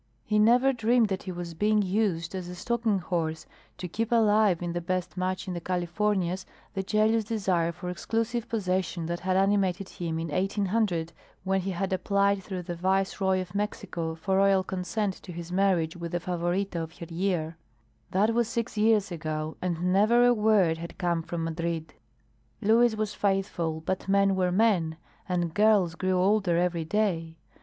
He never dreamed that he was being used as a stalking horse to keep alive in the best match in the Californias the jealous desire for exclusive possession that had animated him in 1800 when he had applied through the Viceroy of Mexico for royal consent to his marriage with the Favorita of her year. That was six years ago and never a word had come from Madrid. Luis was faithful, but men were men, and girls grew older every day.